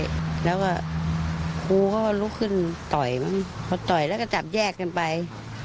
แล้วก็ครูก็ลุกขึ้นต่อยมันพอต่อยแล้วก็จับแยกกันไป